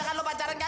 kamu pacaran ya